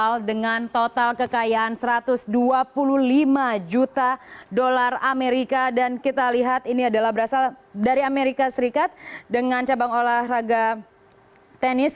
tiongkok dengan total kekayaan satu ratus dua puluh lima juta dolar amerika dan kita lihat ini adalah berasal dari amerika serikat dengan cabang olahraga tenis